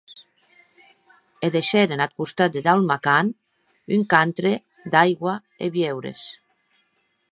E deishèren ath costat de Daul’makan, un cantre d’aigua e viures.